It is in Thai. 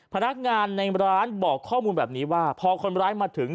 พนักงานในร้านบอกข้อมูลแบบนี้ว่าพอคนร้ายมาถึง